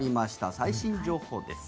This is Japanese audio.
最新情報です。